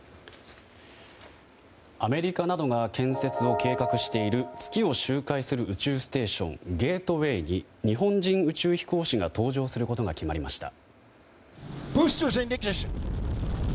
アメリカなどが建設を計画している月を周回する宇宙ステーション「ゲートウェイ」に日本人宇宙飛行士が搭乗することが決まりました。